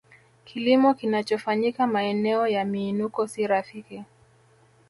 Kilimo kinachofanyika maeneo ya miinuko si rafiki